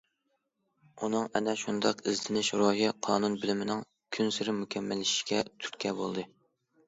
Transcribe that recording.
ئۇنىڭ ئەنە شۇنداق ئىزدىنىش روھى قانۇن بىلىمىنىڭ كۈنسېرى مۇكەممەللىشىشىگە تۈرتكە بولدى.